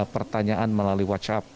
pertanyaan melalui whatsapp